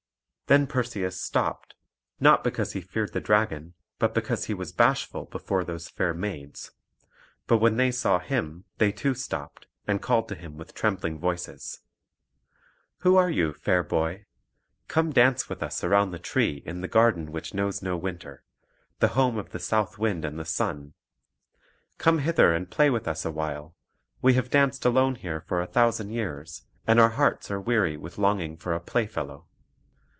Then Perseus stopped, not because he feared the dragon, but because he was bashful before those fair maids; but when they saw him, they too stopped, and called to him with trembling voices: "Who are you, fair boy? Come dance with us around the tree in the garden which knows no winter, the home of the south wind and the sun. Come hither and play with us awhile; we have danced alone here for a thousand years, and our hearts are weary with longing for a playfellow."